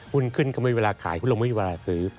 หุ้นขึ้นก็ไม่มีเวลาขายหุ้นลงไม่มีเวลาซื้อ